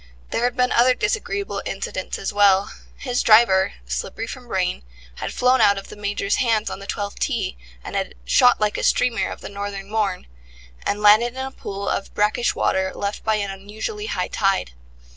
There had been other disagreeable incidents as well. His driver, slippery from rain, had flown out of the Major's hands on the twelfth tee, and had "shot like a streamer of the northern morn", and landed in a pool of brackish water left by an unusually high tide.